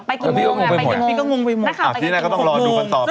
ไปกี่โมงไปกี่โมงพี่ก็งงไปหมดราคาไปกี่โมง๖โมง